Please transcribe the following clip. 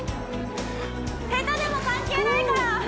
下手でも関係ないからフ！